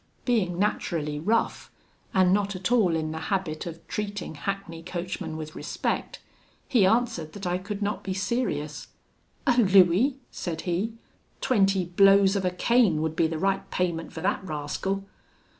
Being naturally rough, and not at all in the habit of treating hackney coachmen with respect, he answered that I could not be serious. 'A louis!' said he; 'twenty blows of a cane would be the right payment for that rascal!'